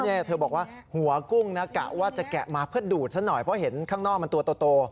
เธอบอกว่าหัวกุ้งนะกะว่าจะแกะมาเพื่อดูดซะหน่อยเพราะเห็นข้างนอกมันตัวโต